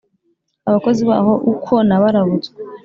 Abakozi baho ukwo nabarabutswe,